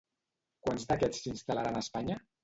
Quants d'aquests s'instal·laran a Espanya?